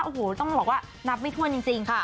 โอ้โหต้องบอกว่านับไม่ถ้วนจริง